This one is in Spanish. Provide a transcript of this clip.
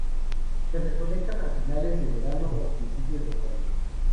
Se recolectan a finales de verano o principios de otoño.